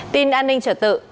tin an ninh trở tự